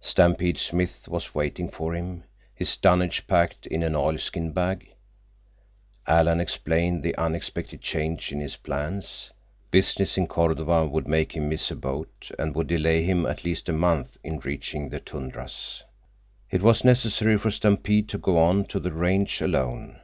Stampede Smith was waiting for him, his dunnage packed in an oilskin bag. Alan explained the unexpected change in his plans. Business in Cordova would make him miss a boat and would delay him at least a month in reaching the tundras. It was necessary for Stampede to go on to the range alone.